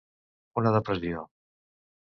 Una depressió.